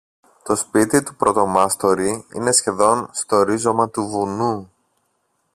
Το σπίτι του πρωτομάστορη είναι σχεδόν στο ρίζωμα του βουνού